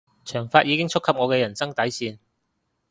髮長已經觸及我人生嘅底線